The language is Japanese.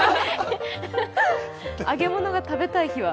揚げ物が食べたい日は？